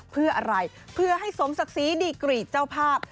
เพื่ออะไรเพื่อให้สมศักดิ์ศรีดีกรีตเจ้าภาพ